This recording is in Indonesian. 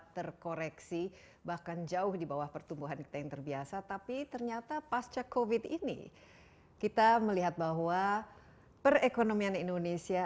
transformasi ekonomi indonesia